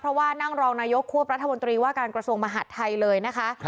เพราะว่านั่งรองนายกควบรัฐมนตรีว่าการกระทรวงมหาดไทยเลยนะคะ